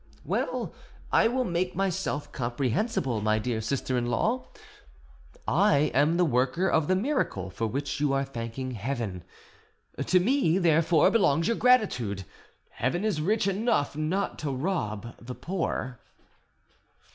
"Well, I will make myself comprehensible, my dear sister in law. I am the worker of the miracle for which you are thanking Heaven; to me therefore belongs your gratitude. Heaven is rich enough not to rob the poor."